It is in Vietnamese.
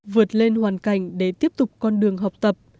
vượt lên hoàn cảnh để tiếp tục con đường học tập